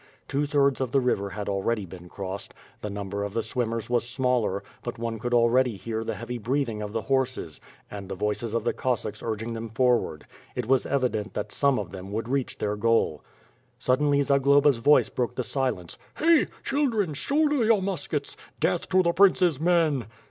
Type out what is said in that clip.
Two thirds of the river had already been crossed. The number of the swimmers was smaller, but one could alrendy hear the heavy breathing of the horses, and the voices of the (■ossacks urging them for ward. It was evident that some of them would reach their goal. Suddenly, Zagloba's voice broke the silence: "Hey! Children, shoulder your muskets! Death to the prince's men!"